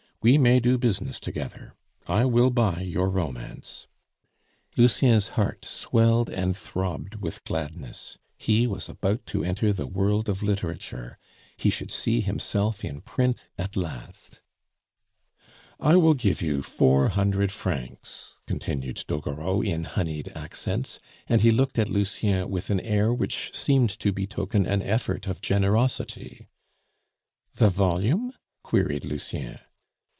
We may do business together. I will buy your romance." Lucien's heart swelled and throbbed with gladness. He was about to enter the world of literature; he should see himself in print at last. "I will give you four hundred francs," continued Doguereau in honeyed accents, and he looked at Lucien with an air which seemed to betoken an effort of generosity. "The volume?" queried Lucien.